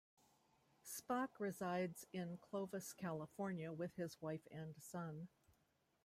Spach resides in Clovis, California with his wife and son.